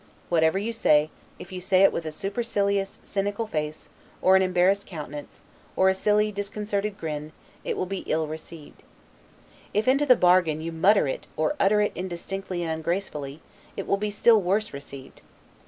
Whatever you say, if you say it with a supercilious, cynical face, or an embarrassed countenance, or a silly, disconcerted grin, will be ill received. If, into the bargain, YOU MUTTER IT, OR UTTER IT INDISTINCTLY AND UNGRACEFULLY, it will be still worse received.